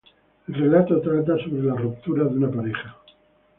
El relato trata sobre la ruptura de una pareja.